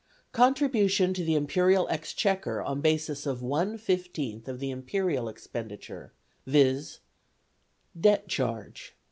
Contribution to Imperial Exchequer on basis of 1/15th of Imperial Expenditure, viz.: (1) Debt Charge